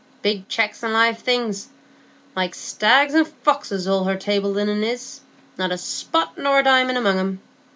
Big checks and live things, like stags and foxes, all her table linen is,—not a spot nor a diamond among 'em.